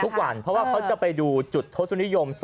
ทุกวันเพราะว่าเขาจะไปดูจุดทศนิยม